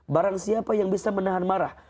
barang siapa yang bisa menahan marah